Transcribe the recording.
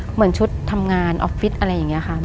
เหมือนชุดทำงานออฟฟิศอะไรอย่างนี้ค่ะ